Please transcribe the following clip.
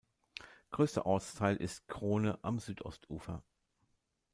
Größter Ortsteil ist Crone am Südostufer.